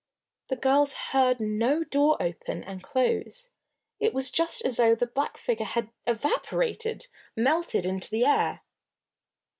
The girls heard no door open and close. It was just as though the black figure had evaporated melted into the air!